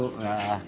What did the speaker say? terima kasih bu